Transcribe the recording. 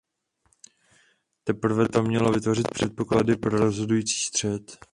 Teprve to mělo vytvořit předpoklady pro rozhodující střet.